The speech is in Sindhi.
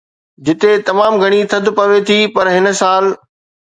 جتي تمام گهڻي ٿڌ پوي ٿي پر هن سال